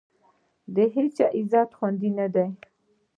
د هېچا عزت خوندي نه دی.